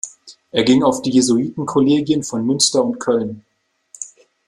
Er ging auf die Jesuitenkollegien von Münster und Köln.